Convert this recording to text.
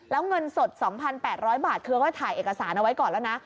แล้วเงินสด๒๘๐๐บาทคือก็ถ่ายเอกสารเอาไว้ก่อนแล้วนะ